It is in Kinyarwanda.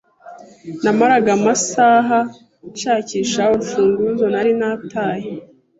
Namaraga amasaha nshakisha urufunguzo nari nataye.